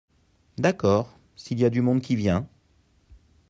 D'accord, s'il y a du monde qui vient.